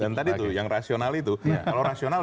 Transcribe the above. dan tadi tuh yang rasional itu kalau rasional